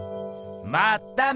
まっため。